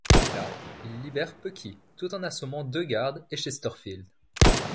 Là il libère Pucky tout en assommant deux gardes et Chesterfield.